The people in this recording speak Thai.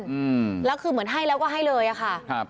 อืมแล้วคือเหมือนให้แล้วก็ให้เลยอ่ะค่ะครับ